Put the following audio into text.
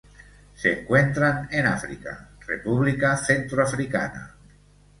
Se encuentran en África: República Centroafricana.